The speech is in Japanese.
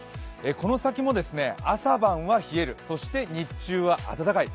この先も朝晩は冷える、そして日中は暖かい。